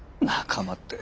仲間って。